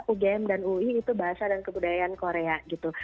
ugm dan ui itu bahasa dan kebudayaan korea gitu